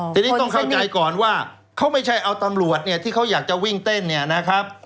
ทีนี้ต้องเข้าใจก่อนว่าเขาไม่ใช่เอาตำรวจเนี่ยที่เขาอยากจะวิ่งเต้นเนี่ยนะครับ